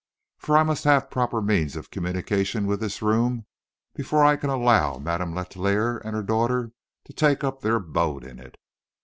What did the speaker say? For I must have proper means of communication with this room before I can allow Madame Letellier and her daughter to take up their abode in it.